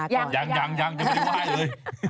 ยังยังยังยังไม่ได้ไหว้เลย